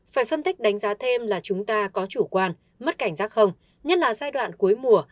phải phân tích đánh giá thêm là chúng ta có chủ quan mất cảnh giác không nhất là giai đoạn cuối mùa